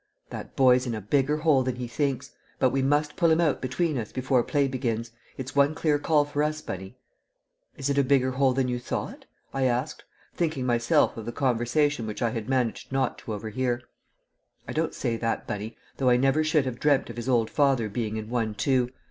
"That boy's in a bigger hole than he thinks. But we must pull him out between us before play begins. It's one clear call for us, Bunny!" "Is it a bigger hole than you thought?" I asked, thinking myself of the conversation which I had managed not to overhear. "I don't say that, Bunny, though I never should have dreamt of his old father being in one too.